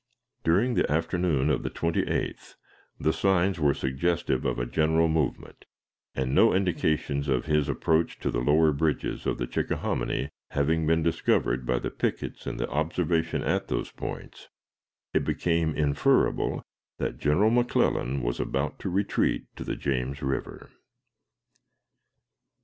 During the afternoon of the 28th the signs were suggestive of a general movement, and, no indications of his approach to the lower bridges of the Chickahominy having been discovered by the pickets in observation at those points, it became inferable that General McClellan was about to retreat to the James River.